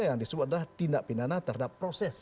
yang disebut adalah tindak pidana terhadap proses